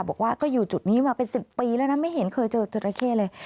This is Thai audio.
บอกว่าก็อยู่จุดนี้มาเป็น๑๐ปีแล้วนะไม่เห็นเคยเจอจราเข้เลย